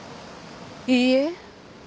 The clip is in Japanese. いいえ。